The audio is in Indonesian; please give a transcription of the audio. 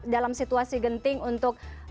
dalam situasi genting untuk